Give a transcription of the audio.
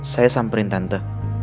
saya samperin tante